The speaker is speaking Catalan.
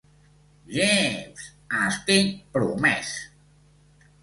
Jeeves, estic promès.